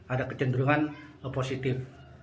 ada kecenderungan positif